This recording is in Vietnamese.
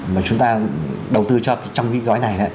mà chúng ta đầu tư cho trong cái gói này